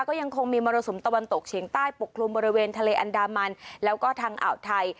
ก็ยังคงมีมรสุมตะวันตกเฉียงใต้ปกคลุมบริเวณทะเลอันดามันแล้วก็ทางอ่าวไทย